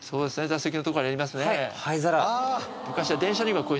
座席のとこにありますね。